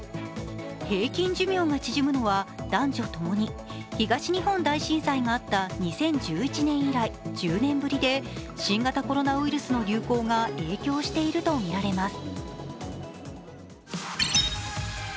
平均寿命が縮むのは男女ともに東日本大震災があった２０１１年以来、１０年ぶりで新型コロナウイルスの流行が影響しているとみられます。